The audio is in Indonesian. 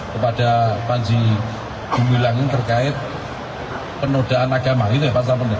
kepada panji gumilang terkait penodaan agama